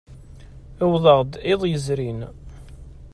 Uwḍeɣ-d iḍ yezrin.